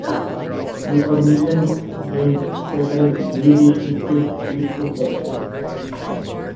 Republicans gained several redistricted seats in Texas.